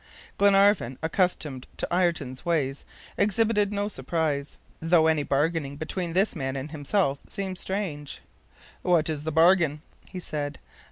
Glenarvan, accustomed to Ayrton's ways, exhibited no surprise, though any bargaining between this man and himself seemed strange. "What is the bargain?" he said.